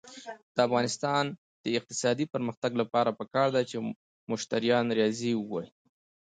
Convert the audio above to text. د افغانستان د اقتصادي پرمختګ لپاره پکار ده چې مشتریان راضي وي.